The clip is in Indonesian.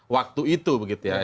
waktu itu begitu ya